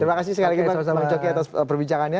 terima kasih sekali bang coki atas perbincangannya